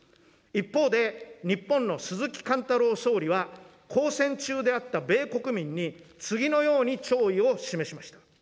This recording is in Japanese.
一方で、日本の鈴木貫太郎総理は、交戦中であった米国民に、次のように弔意を示しました。